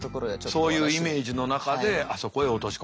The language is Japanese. そういうイメージの中であそこへ落とし込んでいったんですね。